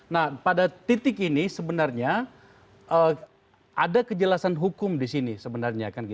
nah pada titik ini sebenarnya ada kejelasan hukum di sini sebenarnya